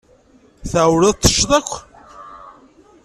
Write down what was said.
Tɛewwleḍ ad t-teččeḍ akk?